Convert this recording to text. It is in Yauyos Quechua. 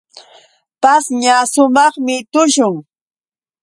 Pashña sumaqmi tushun.